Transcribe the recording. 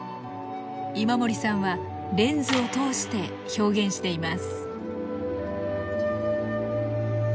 今森さんはレンズを通して表現しています。